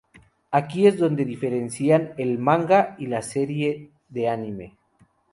Aquí es donde diferencian el manga y la serie de anime.